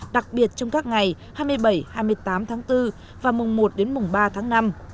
đặc biệt trong các ngày hai mươi bảy hai mươi tám tháng bốn và mùng một đến mùng ba tháng năm